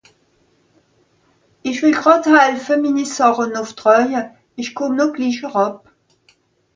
Ìch wìll gràd helfe, mini Sàche nùff traawe, ìch kùmm no glich eràb.